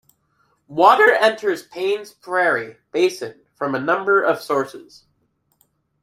Water enters Paynes Prairie Basin from a number of sources.